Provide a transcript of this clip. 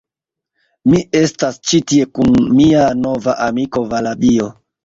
Mi estas ĉi tie kun mia nova amiko, Valabio.